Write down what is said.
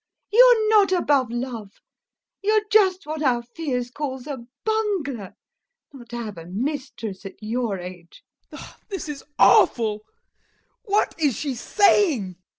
You're not above love, you're just what our Fiers calls a bungler. Not to have a mistress at your age! TROFIMOV. [In horror] This is awful! What is she saying?